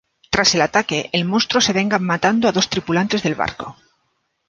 Tras el ataque, el monstruo se venga matando a dos tripulantes del barco.